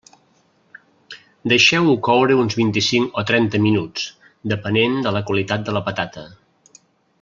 Deixeu-ho coure uns vint-i-cinc o trenta minuts, depenent de la qualitat de la patata.